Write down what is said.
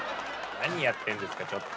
何やってんですかちょっと！